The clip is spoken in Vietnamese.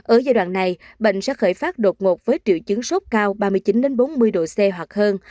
ở giai đoạn này bệnh sẽ khởi phát đột ngột với triệu chứng sốt cao ba mươi chín bốn mươi độ c hoặc hơn